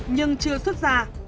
nhưng chưa xuất ra